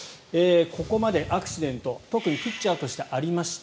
ここまでアクシデント特にピッチャーとしてありました。